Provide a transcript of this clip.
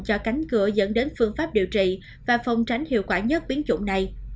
cho cánh cửa dẫn đến phương pháp điều trị và phòng tránh hiệu quả nhất biến chủng này